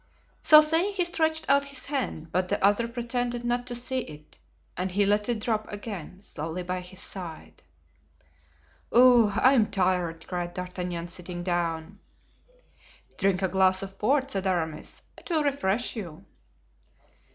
So saying, he stretched out his hand, but the other pretended not to see it and he let it drop again slowly by his side. "Ugh! I am tired," cried D'Artagnan, sitting down. "Drink a glass of port," said Aramis; "it will refresh you."